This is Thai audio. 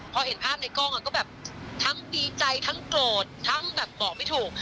พอเห็นภาพในกล้องก็แบบทั้งดีใจทั้งโกรธทั้งแบบบอกไม่ถูก